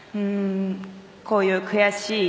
こういう悔しい。